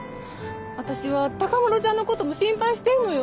私は孝麿ちゃんの事も心配してんのよ。